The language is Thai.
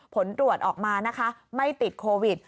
ผลตรวจออกมานะคะไม่ติดโควิด